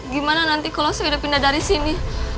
gimana nanti kalau saya udah pindah dari sini